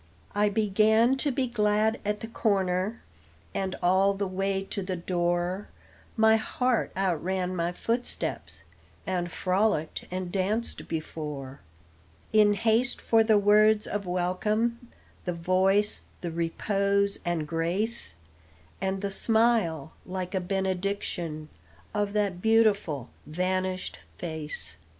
I began to be glad at the corner, And all the way to the door My heart outran my footsteps, And frolicked and danced before, In haste for the words of welcome, The voice, the repose and grace, And the smile, like a benediction, Of that beautiful, vanished face.